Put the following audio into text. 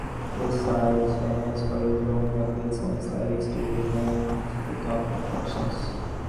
Places such as Venice, Florence, Rome, Naples and Sicily still remained the top attractions.